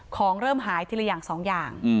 ของเริ่มหายทีละอย่าง๒อย่าง